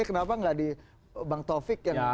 kenapa tidak di bang taufik